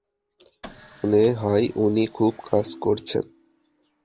মনে হয় উনি খুব কাজ করছেন।